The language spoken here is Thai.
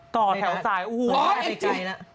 ต่อแถวสายใกล้แล้ว